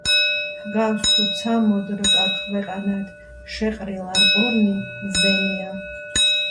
ჰგავს, თუ ცა მოდრკა ქვეყანად, შეყრილან ორნი მზენია.